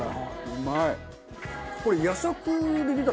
うまい！